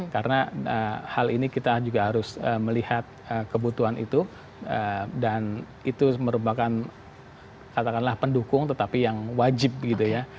karena hal ini kita juga harus melihat kebutuhan itu dan itu merupakan katakanlah pendukung tetapi yang wajib gitu ya